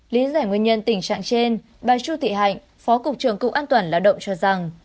lý giải nguyên nhân tình trạng trên bà chu thị hạnh phó cục trưởng cục an toàn lao động cho rằng